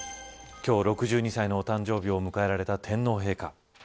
今日６２歳のお誕生日を迎えられた、天皇陛下。